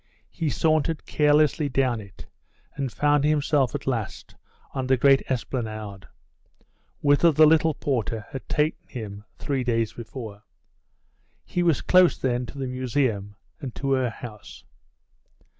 He sauntered carelessly down it, and found himself at last on the great Esplanade, whither the little porter had taken him three days before. He was close then to the Museum, and to her house.